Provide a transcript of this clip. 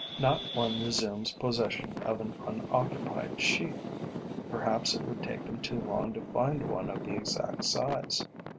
Not one resumes possession of an unoccupied sheath. Perhaps it would take them too long to find one of the exact size.